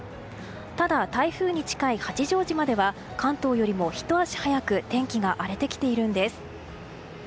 ただ、台風に近い八丈島では関東よりもひと足早く天気が荒れてきているんです。